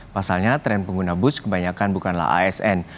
pasalnya tren pengguna bus kebanyakan bukanlah asn